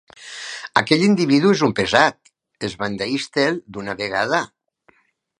Aquell individu és un pesat: esbandeix-te'l d'una vegada.